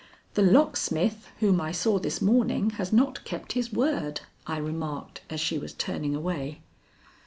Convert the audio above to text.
"The locksmith whom I saw this morning has not kept his word," I remarked as she was turning away.